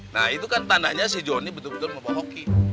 nah itu kan tandanya si jody betul betul mau bawa hoki